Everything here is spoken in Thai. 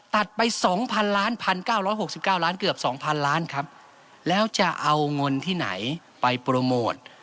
ตัดไปสองพันล้านพันเกือบสองพันล้านครับแล้วจะเอาเงินที่ไหนไปโปรโมท